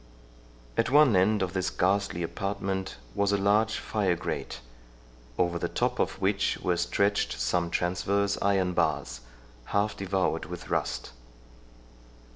At one end of this ghastly apartment was a large fire grate, over the top of which were stretched some transverse iron bars, half devoured with rust.